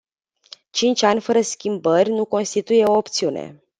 Cinci ani fără schimbări nu constituie o opțiune.